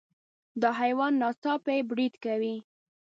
دا حیوان ناڅاپي برید کوي.